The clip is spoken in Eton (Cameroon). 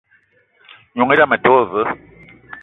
N'noung idame a te wo veu.